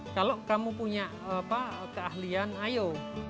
kalau kamu punya keahlian ayo